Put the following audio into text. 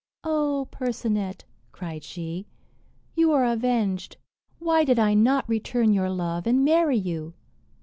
"O Percinet," cried she, "you are avenged. Why did I not return your love, and marry you!